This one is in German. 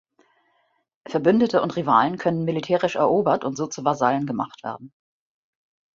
Verbündete und Rivalen können militärisch erobert und so zu Vasallen gemacht werden.